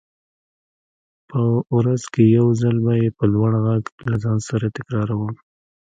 په ورځ کې يو ځل به يې په لوړ غږ له ځان سره تکراروم.